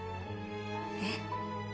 えっ。